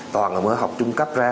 toàn là mới học trung cấp ra